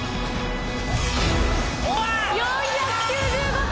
４９５点。